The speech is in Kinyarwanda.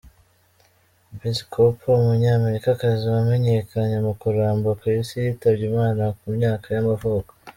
Besse Cooper, umunyamerikakazi wamenyekanye mu kuramba ku isi yitabye Imana ku myaka y’amavuko.